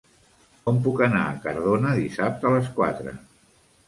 Com puc anar a Cardona dissabte a les quatre?